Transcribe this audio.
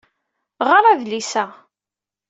Ɣer adlis-a.